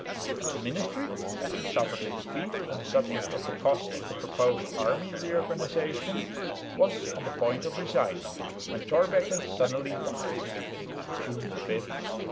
The ministry, having suffered a defeat on the subject of the cost of the proposed army re organisation, was on the point of resigning, when Thorbecke suddenly died (June 5, 1872).